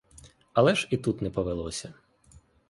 Але ж і тут не повелося.